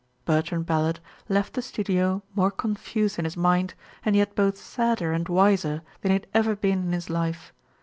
Bertrand Ballard left the studio more confused in his mind, and yet both sadder and wiser then he had ever been in his life.